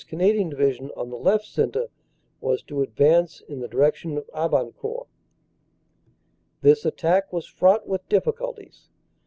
Canadian Division on the left centre was to advance in the direction of Abancourt "This attack was fraught with difficulties.